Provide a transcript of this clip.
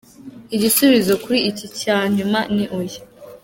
Igisubizo kuri iki cya nyuma ni oya.